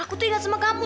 aku tuh ingat sama kamu